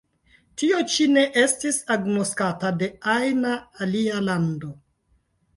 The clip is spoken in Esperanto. Tio ĉi ne estis agnoskata de ajna alia lando.